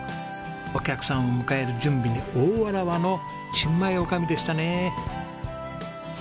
お客さんを迎える準備に大わらわの新米女将でしたね。